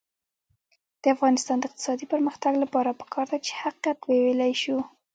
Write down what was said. د افغانستان د اقتصادي پرمختګ لپاره پکار ده چې حقیقت وویلی شو.